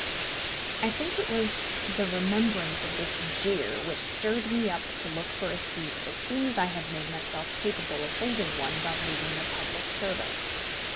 I think it was the remembrance of this jeer which stirred me up to look for a seat as soon as I had made myself capable of holding one by leaving the public service.